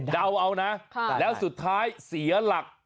เดาเอานะแล้วสุดท้ายเสียหลัก